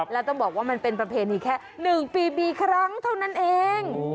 แล้วต้องบอกว่ามันเป็นประเพณีแค่๑ปีครั้งเท่านั้นเอง